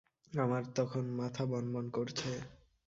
আমার তখন মাথা বনবন করছে।